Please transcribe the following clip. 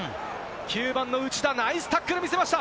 ９番の内田、ナイスタックル見せました。